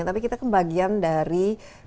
tapi kita kebagian dari